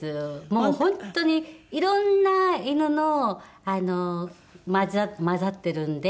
もう本当にいろんな犬の混ざってるんで。